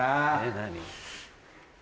何？